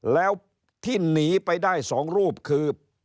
แล้วที่หนีไปได้๒รูปคือ